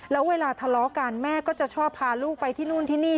แล้วเวลาทะเลาะกันแม่ก็จะชอบพาลูกไปที่นู่นที่นี่